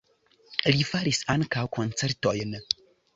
Li faris ankaŭ koncertojn.